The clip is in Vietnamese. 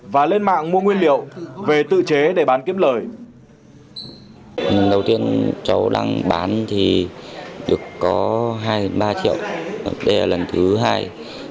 và lên mạng mua nguyên liệu về tự chế để bán kiếm lời